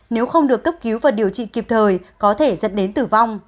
nếu không được cấp cứu và điều trị kịp thời có thể dẫn đến tử vong